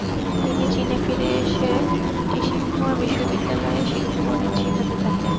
তিনি চীনে ফিরে এসে টিসিংহুয়া বিশ্ববিদ্যালয়ে গণিত শেখাতে থাকেন।